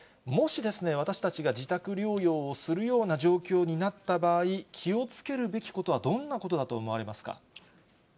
もし、私たちが自宅療養をするような状況になった場合、気をつけるべきことは、どんなことだと思われますか。